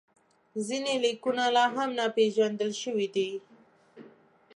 ځینې لیکونه لا هم ناپېژندل شوي دي.